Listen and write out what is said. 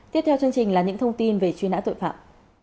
tiếp theo chương trình là những thông tin về chuyên án tội phạm